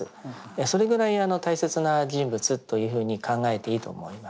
それくらい大切な人物というふうに考えていいと思います。